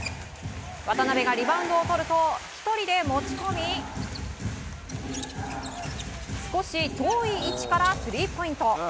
渡邊がリバウンドをとると１人で持ち込み少し遠い位置からスリーポイント。